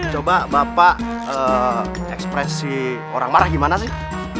coba bapak ekspresi orang marah gimana sih